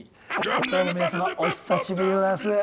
どうも皆様お久しぶりでございます。